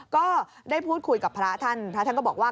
ก็ได้พูดคุยกับพระท่านพระท่านก็บอกว่า